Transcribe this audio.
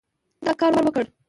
ما دا کار وکړ